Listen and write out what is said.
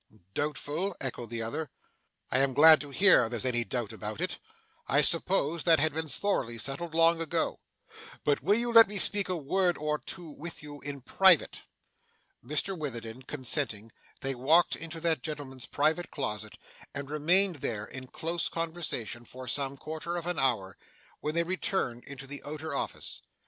'Doubtful?' echoed the other. 'I am glad to hear there's any doubt about it. I supposed that had been thoroughly settled, long ago. But will you let me speak a word or two with you in private?' Mr Witherden consenting, they walked into that gentleman's private closet, and remained there, in close conversation, for some quarter of an hour, when they returned into the outer office.